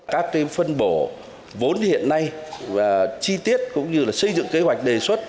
các tên phân bổ vốn hiện nay chi tiết cũng như là xây dựng kế hoạch đề xuất